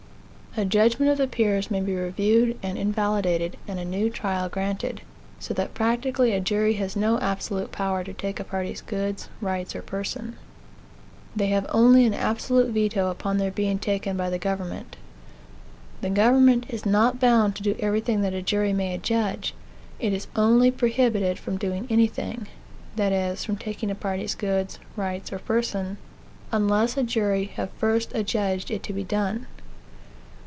A judgment of the peers may be reviewed, and invalidated, and a new trial granted. So that practically a jury has no absolute power to take a party's goods, rights, or person. They have only an absolute veto upon their being taken by the government. The government is not bound to do everything that a jury may adjudge. It is only prohibited from doing anything (that is, from taking a party's goods, rights, or person) unless a jury have first adjudged it to be done.